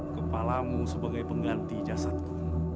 kepalamu sebagai pengganti jasadku